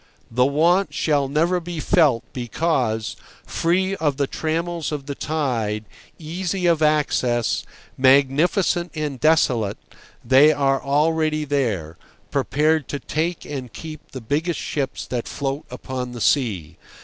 The want shall never be felt because, free of the trammels of the tide, easy of access, magnificent and desolate, they are already there, prepared to take and keep the biggest ships that float upon the sea.